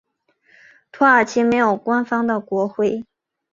土耳其没有官方的国徽。